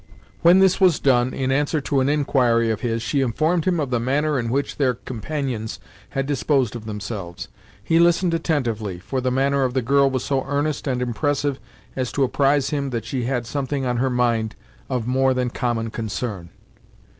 When this was done, in answer to an inquiry of his, she informed him of the manner in which their companions had disposed of themselves. He listened attentively, for the manner of the girl was so earnest and impressive as to apprise him that she had something on her mind of more than common concern.